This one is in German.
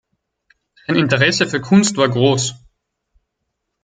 Sein Interesse für Kunst war groß.